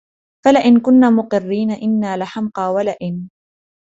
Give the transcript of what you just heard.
فَلَئِنْ كُنَّا مُقِرِّينَ إنَّا لِحَمْقَى ، وَلَئِنْ